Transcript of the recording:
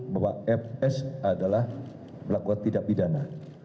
bahwa fs adalah melakukan tidak pidana